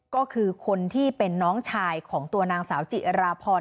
ก็คือคนที่เป็นน้องชายของตัวนางสาวจิราพร